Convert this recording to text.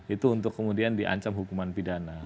itu untuk kemudian di ancam hukuman pidana